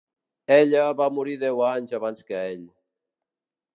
Ella va morir deu anys abans que ell.